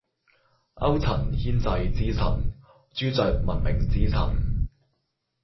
勾陳牽滯之神，朱雀文明之神